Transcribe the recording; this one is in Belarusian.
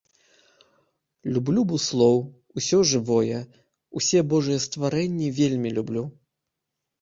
Люблю буслоў, усё жывое, усе божыя стварэнні вельмі люблю.